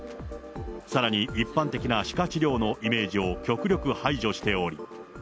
さらに一般的な歯科治療のイメージを極力排除しており。